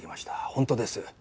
本当です。